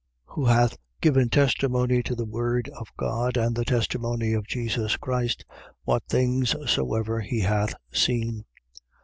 Who hath given testimony to the word of God and the testimony of Jesus Christ, what things soever he hath seen.